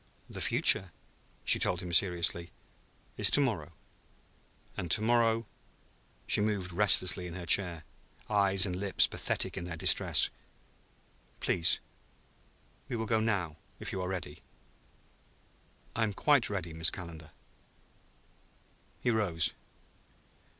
"The future," she told him seriously, "is to morrow; and to morrow ..." She moved restlessly in her chair, eyes and lips pathetic in their distress. "Please, we will go now, if you are ready." "I am quite ready, Miss Calendar." He rose.